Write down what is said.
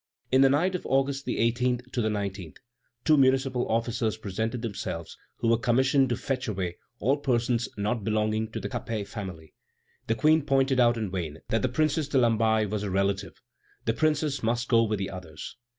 In the night of August 18 19, two municipal officers presented themselves, who were commissioned to fetch away "all persons not belonging to the Capet family." The Queen pointed out in vain that the Princess de Lamballe was her relative. The Princess must go with the others.